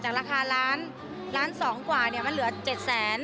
จากราคาล้านล้านสองกว่าเนี่ยมันเหลือเจ็ดแสน